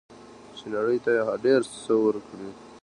چې نړۍ ته یې ډیر څه ورکړي.